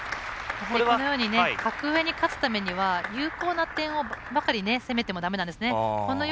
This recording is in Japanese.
このように格上に勝つためには有効な点ばかり攻めてもだめなんですね。